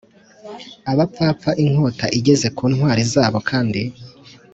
Abapfapfa inkota igeze ku ntwari zaho kandi